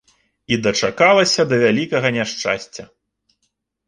І дачакалася да вялікага няшчасця.